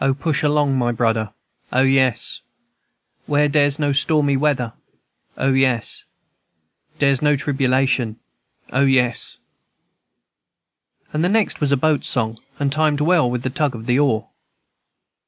O, push along, my brudder, O, yes, &c. Where dere's no stormy weather, O, yes, &c. Dere's no tribulation, O, yes, &c. This next was a boat song, and timed well with the tug of the oar.